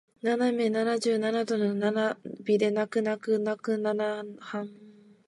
斜め七十七度の並びで泣く泣くいななくナナハン七台難なく並べて長眺め